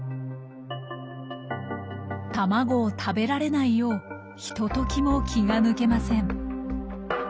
卵を食べられないようひとときも気が抜けません。